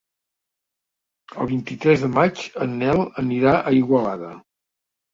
El vint-i-tres de maig en Nel anirà a Igualada.